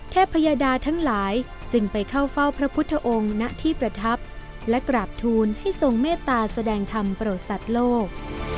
พยดาทั้งหลายจึงไปเข้าเฝ้าพระพุทธองค์ณที่ประทับและกราบทูลให้ทรงเมตตาแสดงธรรมโปรดสัตว์โลก